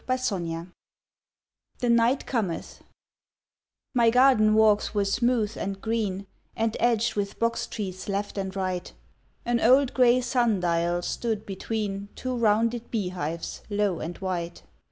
Vigils THE NIGHT COMETH My garden walks were smooth and green And edged with box trees left and right, An old grey sun dial stood between Two rounded bee hives, low and white.